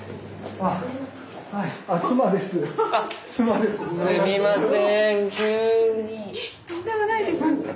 あっすいません。